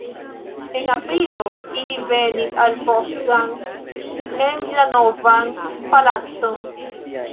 En aprilo ili venis al Potsdam en la Novan palacon.